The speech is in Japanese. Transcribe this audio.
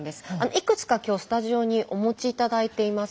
いくつか今日スタジオにお持ち頂いています。